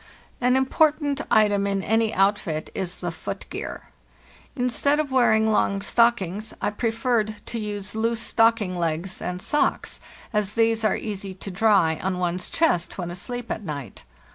An important item in an outfit is the foot gear. In stead of wearing long stockings, I preferred to use loose stocking legs and socks, as these are easy to dry on one's chest when asleep at night.